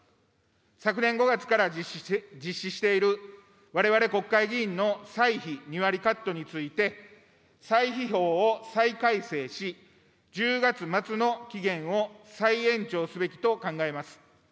昨年５月から実施しているわれわれ国会議員の歳費２割カットについて、歳費法を再改正し、１０月末の期限を再延長すべきと考えます。